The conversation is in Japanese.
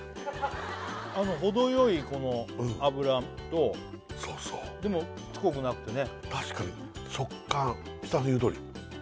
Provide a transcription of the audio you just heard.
ほどよいこの脂とそうそうでもしつこくなくてね